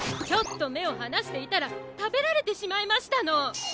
ちょっとめをはなしていたらたべられてしまいましたの。